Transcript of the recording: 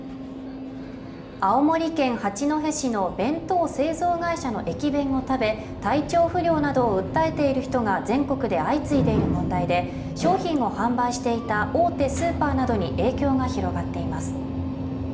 青森県八戸市の弁当製造会社の駅弁を食べ体調不良などを訴えている人が全国で相次いでいる問題で商品を販売していた大手スーパーなどに影響が広がっています